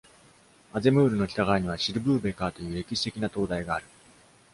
アゼムールの北側にはシディブーベカーという歴史的な灯台がある。